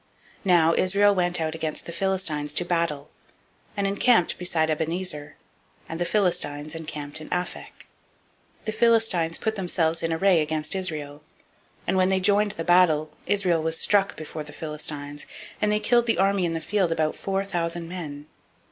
Now Israel went out against the Philistines to battle, and encamped beside Ebenezer: and the Philistines encamped in Aphek. 004:002 The Philistines put themselves in array against Israel: and when they joined battle, Israel was struck before the Philistines; and they killed of the army in the field about four thousand men.